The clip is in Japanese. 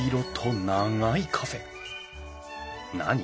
何？